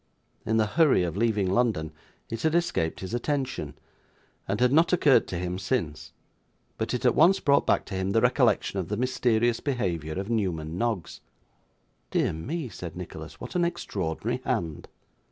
In the hurry of leaving London, it had escaped his attention, and had not occurred to him since, but it at once brought back to him the recollection of the mysterious behaviour of Newman Noggs. 'Dear me!' said Nicholas; 'what an extraordinary hand!